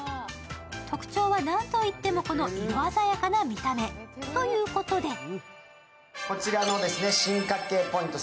特徴は何といってもこの色鮮やかな見た目、ということでこちらの進化系ポイント